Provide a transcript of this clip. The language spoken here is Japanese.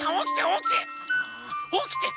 おきて！